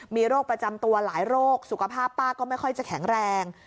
มีโรคประจำตัวหลายโรคสุขภาพป้าก็ไม่ค่อยจะแข็งแรง